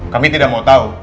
kami tidak mau tahu